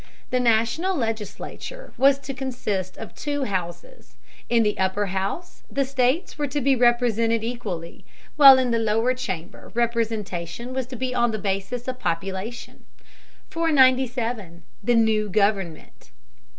The national legislature was to consist of two houses. In the upper house the states were to be represented equally, while in the lower chamber representation was to be on the basis of population. 497. THE NEW GOVERNMENT.